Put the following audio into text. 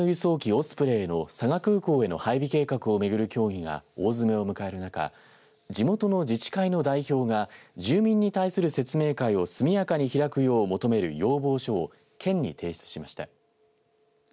自衛隊の輸送機オスプレイの佐賀空港への配備計画を巡る協議が大詰めを迎える中地元の自治会の代表が住民に対する説明会を速やかに開くよう求める要望書を県に提出しました。